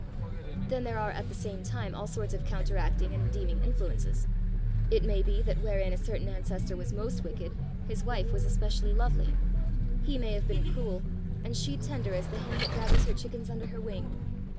Then there are at the same time all sorts of counteracting and redeeming influences. It may be that wherein a certain ancestor was most wicked, his wife was especially lovely. He may have been cruel, and she tender as the hen that gathers her chickens under her wing.